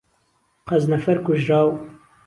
قەزنەفەر کوژراو